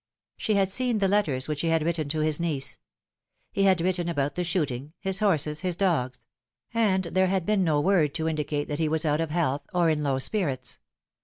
She had seen the letters which he had written to his niece. He had written about the shooting, his horses, his dogs ; and there had been no word to indicate that he was out of health, or in low spirits.